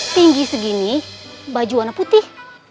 tinggi segini baju warna putih